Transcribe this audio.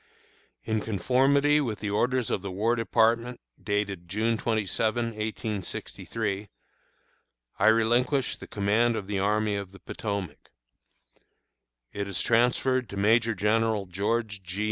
In conformity with the orders of the War Department, dated June 27, 1863, I relinquish the command of the Army of the Potomac. It is transferred to Major General George G.